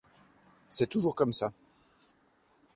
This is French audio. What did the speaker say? C’est toujours comme ça.